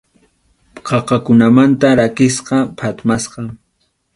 Qaqakunamanta rakisqa, phatmasqa.